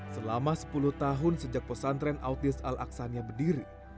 selama sepuluh tahun sejak pesantren autis al aksania berdiri